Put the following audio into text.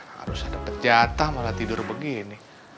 harusnya dapet jatah malah tidur begini